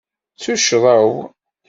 D tuccḍa-w.